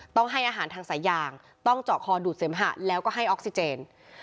ต้องให้อาหารทางสายยางต้องเจาะคอดูดเสมหะแล้วก็ให้ออกซิเจน